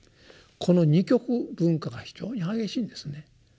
この二極分化が非常に激しいんですね。